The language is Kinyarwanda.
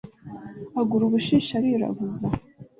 agura ubushishi arirabuza